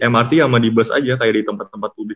mrt sama di bus aja kayak di tempat tempat publik